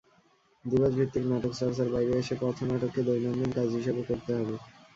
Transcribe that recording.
দিবসভিত্তিক নাটক চর্চার বাইরে এসে পথনাটককে দৈনন্দিন কাজ হিসেবে করতে হবে।